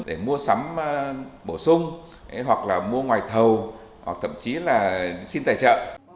để mua sắm bổ sung hoặc là mua ngoài thầu hoặc thậm chí là xin tài trợ